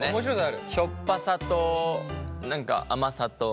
しょっぱさと何か甘さと。